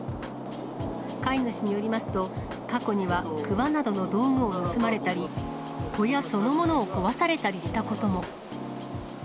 飼い主によりますと、過去にはくわなどの道具を盗まれたり、小屋そのものを壊されたりしたことも。